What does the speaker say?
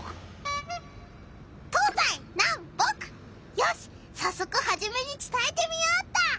よしさっそくハジメにつたえてみようっと！